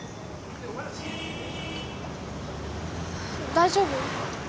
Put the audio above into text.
大丈夫？